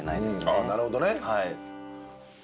ああなるほどね